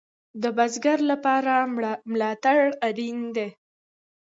د بزګر لپاره ملاتړ اړین دی